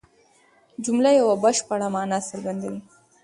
جمله یوه بشپړه مانا څرګندوي.